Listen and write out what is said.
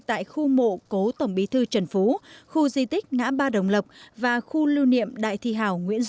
tại khu mộ cố tổng bí thư trần phú khu di tích ngã ba đồng lộc và khu lưu niệm đại thi hảo nguyễn du